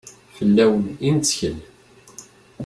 Fell-awen i nettkel.